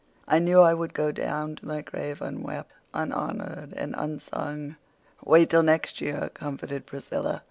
I knew I would go down to my grave unwept, unhonored and unsung." "Wait till next year," comforted Priscilla.